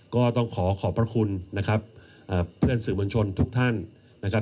ก็ต้องขอขอบพระคุณนะครับเพื่อนสื่อมวลชนทุกท่านนะครับ